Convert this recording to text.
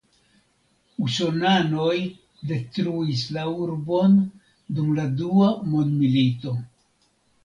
Usonanoj detruis la urbon dum la Dua Mondmilito.